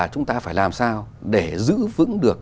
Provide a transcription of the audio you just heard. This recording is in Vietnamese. chúng ta phải làm sao để giữ vững được